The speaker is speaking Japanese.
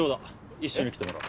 一緒に来てもらおう。